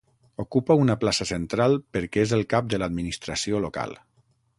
Ocupa una plaça central perquè és el cap de l'administració local.